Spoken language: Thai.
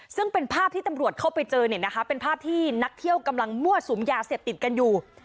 ซึ่งเป็นภาพที่ตำรวจเข้าไปเจอเนี่ยนะคะเป็นภาพที่นักเที่ยวกำลังมั่วสุมยาเสพติดกันอยู่